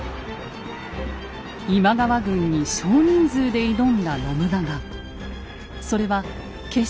今川軍に少人数で挑んだ信長。